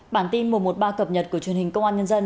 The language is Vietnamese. bản tin mùa một ba cập nhật của truyền hình công an nhân dân